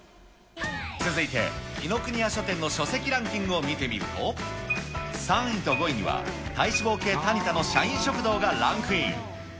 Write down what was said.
続いて紀伊國屋書店の書籍ランキングを見てみると、３位と５位には、体脂肪計タニタの社員食堂がランクイン。